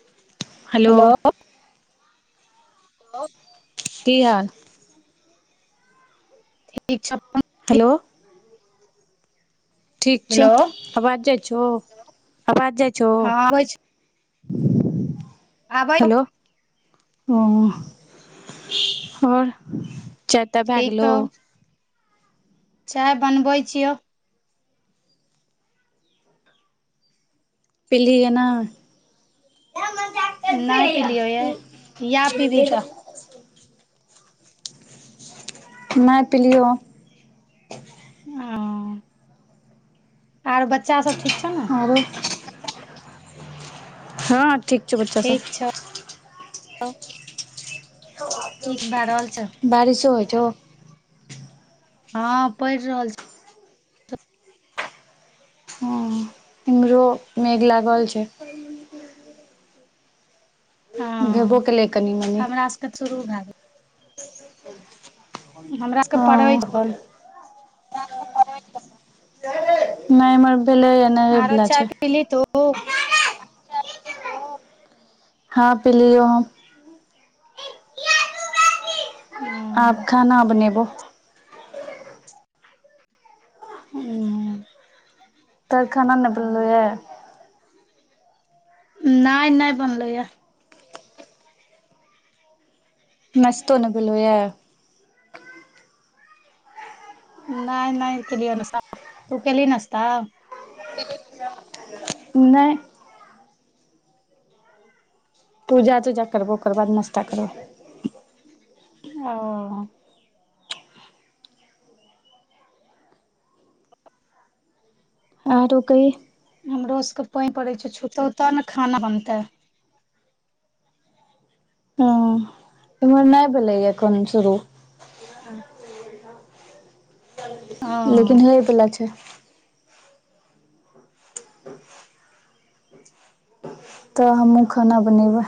[inaudible] Hello. [inaudible] की हाल। [unintelligible] Hello. ठीक छौ हेलो आवाज जाइ छै [inaudible] आवाज जाइ छौ। हँ आबै छै [inaudible] [unintelligible] आबै छौ हेलो। [unintelligible] चाय ताइ भए ठीक गेलों छौ चाय बनबै छियौ। पिल हि हैन नै नहि पिलियौ यै या पीबही तऽ [unintelligible] [unintelligible] नै पलियओ। [unintelligible] छौ ने [unintelligible] हँ ठीक छै बच्चा सब। ठीक छौ [unintelligible] बारिशो होइ छौ हँ पढ़ रहल छी। हँ [unintelligible] मेघ लागल छैय। [inaudible] छौ हँ भेबो केलय कनि मनी। हमरा तऽ सुरू भय गेल। हमरा सबके पढ़ै हँ छन। नहि एमर भेलैया आरो चाय पी ली तू? हँ पिलियौ हम। हूं आब खाना बनेबौ। हूं तऽ खाना नहि बनलै या। नहि नहि बनलैया। नस्तो नहि भेलैया? नहि नहि केलियै नसता तू केलही नसता? [inaudible] नहि पूजा तूजा करबहो ओकर बाद नाश्ता करबहो। ओ आ तो कही? हमरो सबके पानि पड़ैत छैय छूतऽ तऽ ने खाना बनतै। [unintelligible] नहि भेलै एखन शुरू। [inaudible] हँ लेकिन हे पला छैय। तऽ हमहुँ खाना बनेबै।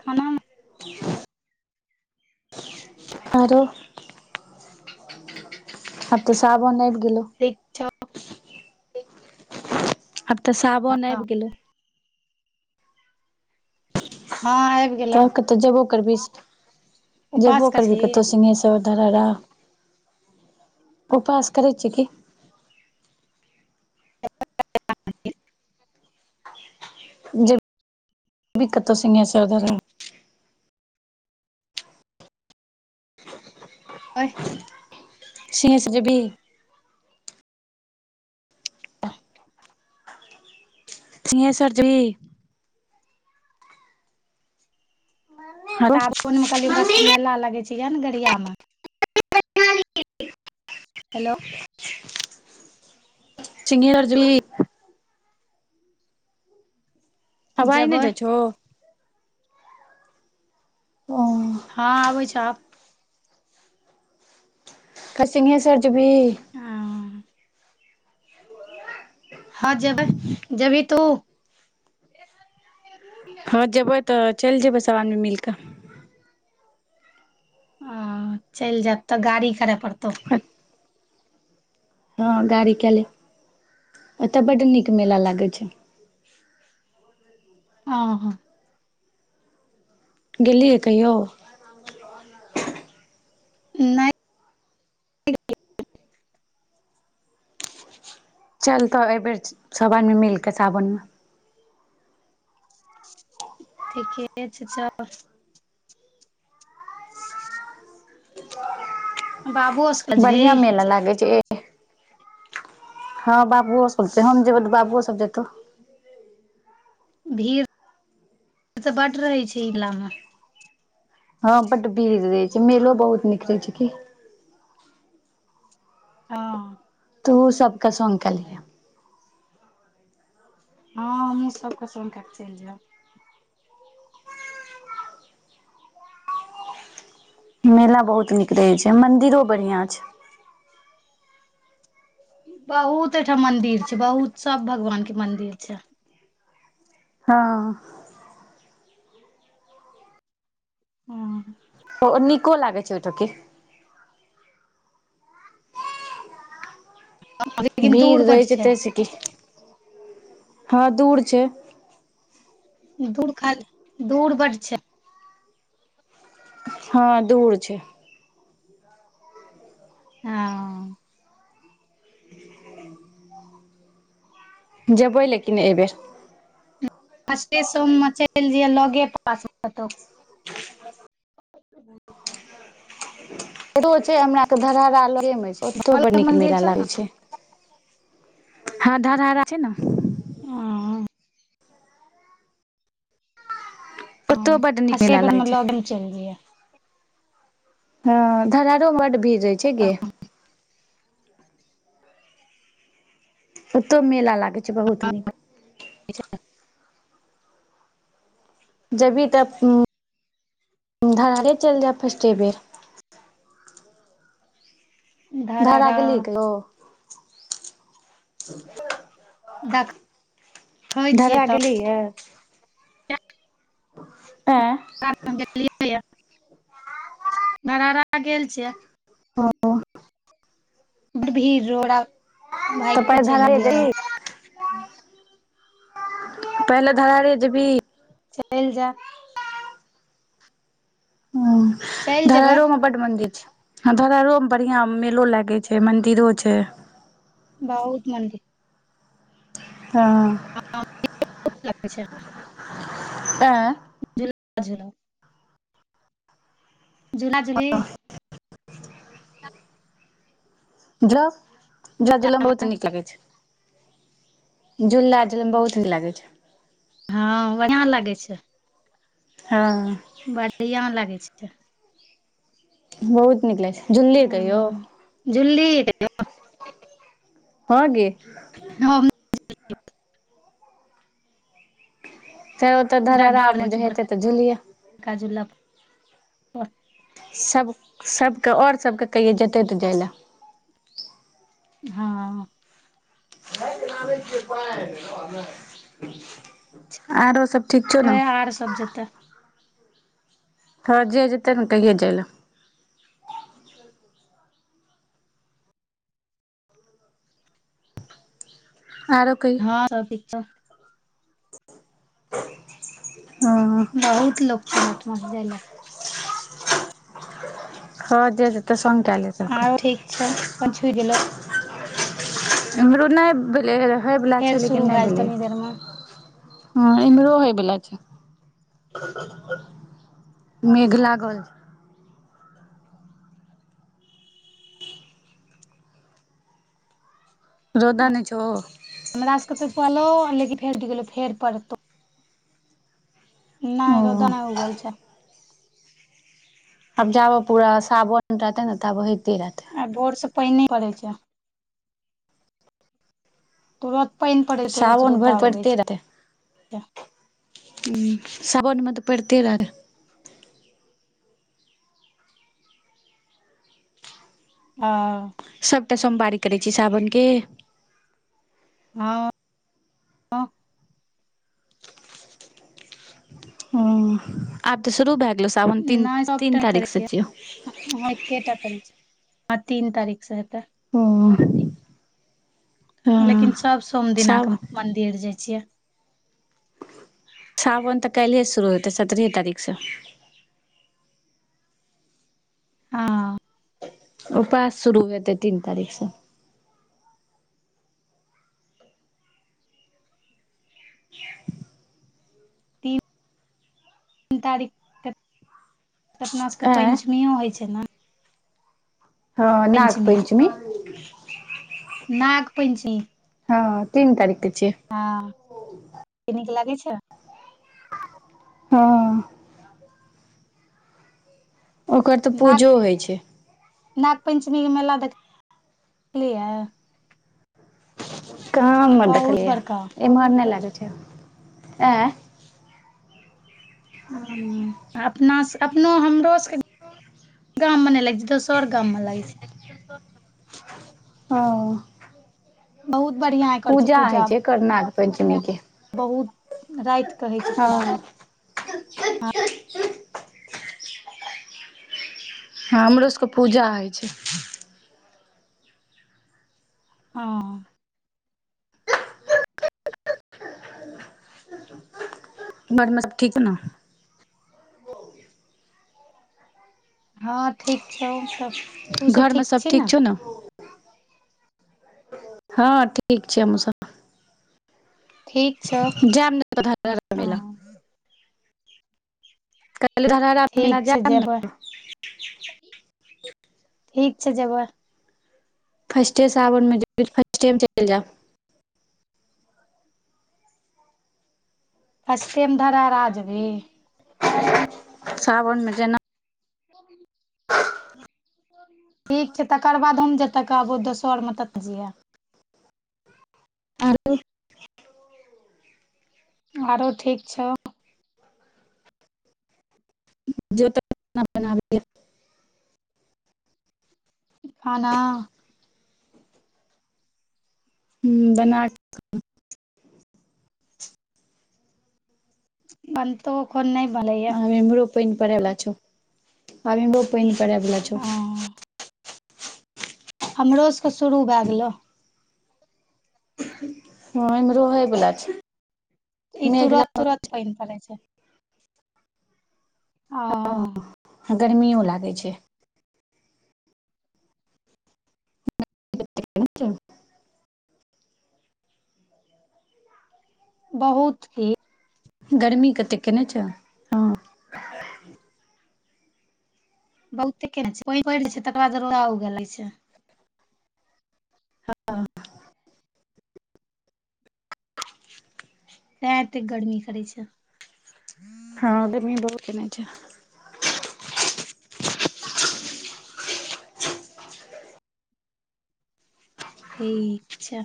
खानामे आरो आब त साबन आबि गेलै। [unintelligible] आब तऽ साबन हँ आबि गेलै। हँ आब त कतौ जेबो करबी उपास जेबो करै करबी कतौ छी सिंहेश [unintelligible] उपास करै छी की। [unintelligible] अहि सिस जेबी? [inaudible] सिंघेश्वरजी? आरो [unintelligible] में कहली हमरा सबके मेला लगे छैय ये ने गढ़ियामे। [unintelligible] हेलो चिंगीर जली। अवइ नहि जेबै जाय छहो? [unintelligible] हँ आबै छ आब कल्ह सिधेशर जैवही हँ जेबै जेबी तू हँ जेबै तऽ चेल जेबै सभ आदमी मिल कऽ ह चेइल जायत तऽ गाड़ी करय पड़तौ कऽ हँ गाड़ी के ले एतय बड नीक मेला लागे छै अ ह गेलियै कहियौ नइ [inaudible] चल तऽ एहिबेर सब आदमे मिल कऽ सावन मे ठीके छै चल [inaudible] बाबुओ सबके बढ़िया बजबही मेेला लागे छै हँ बाबुओ सब छै हम जेब तऽ बाबुओ सब जेतौ भीड़ीड़ [inaudible] तऽ बड रहै छै इलामे हँ बड भीड़ रहै छै मेलो बहुत निक रहै छै की हँ तुहो सभके संग के लिह हँ हमहु सब क संग के कऽ चेल जाएव मेला बहुत निक रहे छै मंदिरो बढ़िया छै बहुत ओठाम मंदिर छै बहुत सब भगवान के मंदिर छै हँ ह नीको लागै छै ओहिठ के लेकिन भीड़ दूर बड रहै छै तैस कि हँ दूर छै दूर खाली दूर बड छै हँ दूर छै हँ जैबे लेकिन एहि बेर फस्टेे सोममे चेल जइहन लगे पास कतो [inaudible] [unintelligible] छै हमरा धररा लगे मे छै ओतो घर बड़ लग नीक मंदिर मेला ने लागै छै हँ धराहरा छै न अ हँ ओतौ बड्ड [unintelligible] नीक मेला लागै छै चल जाए। हँ धरहारो बड भीर रहै छै गे ओतौ मेला लागे छै बहुत नीक छै जेबही तऽ [inaudible] धरहरे चइल जाएब फर्स्टे बेर- धारा धरारा गेलही कहियो देखै छियै धगरा तऽ गेलही अ। [inaudible] ऐय [inaudible] धरहारा गेल छियै हँ बड भीड़ोड़ा तऽ भाइक के पहिले चलि धरहरे जेबही एलियै। पहिले धरा रहे जे भी। चलि जाय। हू चलि धर जेबै रो मऽ बड मंदिर छै धरहरो में बढ़िया मेलो लागे छै मंदिरो छै। बहुत मन्दिर- हँ। हँ [unintelligible] आँ। [unintelligible] झूला झूली। जाऊ झुला झुले मऽ बहुत नीक लगै छै। झूला झलमे बहुत निक लागै छै। हँं बढ़ियां लागै छैय हँऽ बढ़ियां लागै छैय बहुत नीक लागै छैय झुललिही कहियो हँ झुल्ली हँ गे हम नहि झुललियो कहियो फेर ओतऽ धरड़ा डर मे लगै छै जे हेतै तऽ झूलि बड़का झुला सभ सभ कऽ आओर सभके कहियौ जेतै तऽ जाय ले हँऽ आरो सब ठीक छौ नऽ छै आर सब जेतऽ हँ जे जेतै ने कहिये जाय लऽ आरो कहिये हँ सब ठीक हो हँ बहुत लोक छैय हमरा ओहिठमां छऽ जाय लऽ हँ जे जेतै संग कऽ लेब आरो ठीक छ पछुये गेलऽ हमरो नहि भेलै रहयवला फेर छैय शुरू लेकिन नहि भए जेतौ भेलै तनी देर मे हँ इम्हरो होय वला छैय मेघ लागल छैय रौदा नहि छौ हमरा सबके तऽ पड़लो लेकिन भेटि गेलै फेर पड़त ओ नहि रौदा नहि उगल छैय अब जाबय पूरा सावन रहतैय ने ताबय होइते रहतै आइ भोर सऽ पइने पड़ै छैय तुरत पानि पड़ैत तुरत रौदा उगै छैय उं सावन मे तऽ पैड़ते रहत हँ सभटा सोमवारी करैय छी सावन के हँ ह आब तऽ शुरू भय गेल सावन तीन तीन तारीख से छियौ हँ एकेटा करै छी तीन तारीख से हैत ओ हँ लेकिन सब सोम दिना साव के मंदिर जाय छियै थावन त काइल्हे से शुरू हेतय सतरेहे तारीख स हँऽ उपास शुरू हतै तीन तारीख से [unintelligible] तीन तारीख क अपना सबके आँय पंचमीयो होय छैय ने हँ नाग पंचमी नाग पंचमी हँ तीन तारीख के छियै हँ इ नीक लागै छ ह ओकर तऽ नाग पूजो होय छैय नाग पंचमीके मेला देख--लियैये कहाँ एम्हर बहुत देखलियै ये बड़का एम्हर नहि लागै छैय ऐं [unintelligible] नास अपनो हमरो सबके--गाममे नहि लगै छैय दोसर गाममे लागै छैय ओ बहुत बढ़िआ पूजा होइ छै करर्नाग पञ्चमी के बहुत राति के होइ छै हँ पूजा हँ हमरो सभके पूजा होइ छै हँ [unintelligible] ठीक ने हँ ठीक छौ तब तू सब ठीक छी ने हँ ठीक छै हम सब ठीक छौ [unintelligible] ठीक छै जेबै ठीक छै जेबै [unintelligible] फर्स्टेसँ आावनमे जेबह तऽ फर्स्टेमे चलि जाउ फस्ट टाइम धरा राज जबी सावन मे जेना [unintelligible] [unintelligible] ठीक छै तकर बाद हम जतऽ कहबू दोसर आरमे ततऽ जाए आरो आरो ठीक छौ [unintelligible] खाना ह बना बनतौ कोन नहि बना अब अमहरो पाइन पड़य वाला छो अब अमहरो पाइन पड़य वाला छो हँ हमरो सबके शुरू भए गेलौ हँ एहिमेरहोै होइ बोला छी ई तुरत तुरत पानि पड़ै छै लागल [unintelligible] गर्मियो लागै छै [unintelligible] बहुत ही गरमीे कतेक केने छऽ बहुते केने छै पाईन परे छै तकररा बाद रोदा उगेले छै तैं एते गर्मी करै छै हँ गर्मी बहुत केने छै ठीक छै